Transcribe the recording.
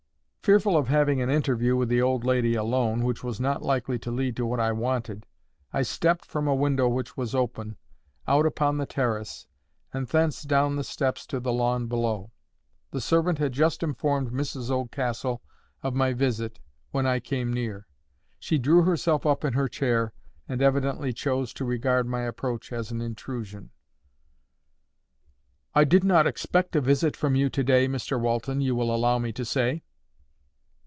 Fearful of having an interview with the old lady alone, which was not likely to lead to what I wanted, I stepped from a window which was open, out upon the terrace, and thence down the steps to the lawn below. The servant had just informed Mrs Oldcastle of my visit when I came near. She drew herself up in her chair, and evidently chose to regard my approach as an intrusion. "I did not expect a visit from you to day, Mr Walton, you will allow me to say."